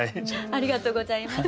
ありがとうございます。